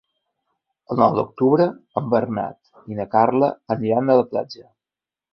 El nou d'octubre en Bernat i na Carla aniran a la platja.